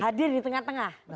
hadir di tengah tengah